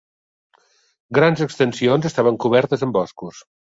Grans extensions estaven cobertes amb boscos.